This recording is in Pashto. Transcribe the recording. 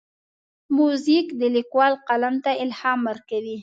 موزیک د لیکوال قلم ته الهام ورکوي.